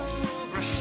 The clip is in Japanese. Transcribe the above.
よし！